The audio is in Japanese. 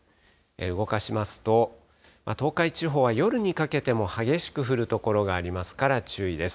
動かしますと、東海地方は夜にかけても激しく降る所がありますから注意です。